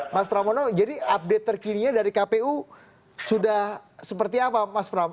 mas pramono jadi update terkininya dari kpu sudah seperti apa mas pram